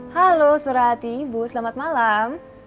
halo surati ibu selamat malam